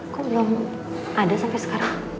kok belum ada sampai sekarang